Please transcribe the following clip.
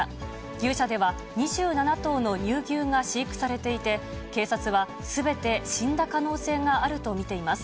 牛舎では、２７頭の乳牛が飼育されていて、警察はすべて死んだ可能性があると見ています。